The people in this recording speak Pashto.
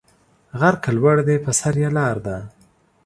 غر که لوړ دی پر سر یې لار ده